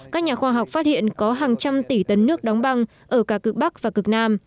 các nhà khoa học phát hiện có hàng trăm tỷ tấn nước đóng băng ở cả cực bắc và cực nam